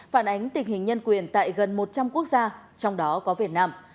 phản ánh tình hình nhân quyền tại gần một trăm linh quốc gia trong đó có việt nam